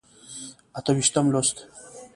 اته ویشتم لوست.